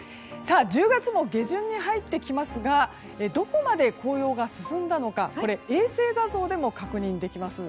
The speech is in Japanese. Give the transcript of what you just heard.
１０月も下旬に入ってきますがどこまで紅葉が進んだのかこれ、衛星画像でも確認できます。